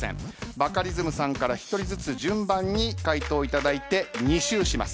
バカリズムさんから１人ずつ順番に回答いただいて２周します。